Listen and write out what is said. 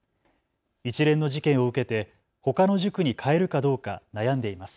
一連の事件を受けて、ほかの塾に変えるかどうか悩んでいます。